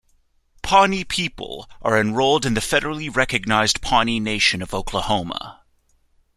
Pawnee people are enrolled in the federally recognized Pawnee Nation of Oklahoma.